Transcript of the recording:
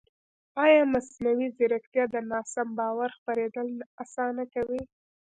ایا مصنوعي ځیرکتیا د ناسم باور خپرېدل نه اسانه کوي؟